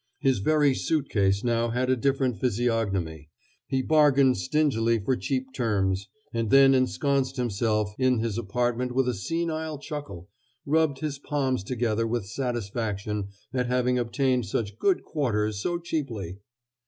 His very suit case now had a different physiognomy. He bargained stingily for cheap terms, and then ensconced himself in his apartment with a senile chuckle, rubbing his palms together with satisfaction at having obtained such good quarters so cheaply.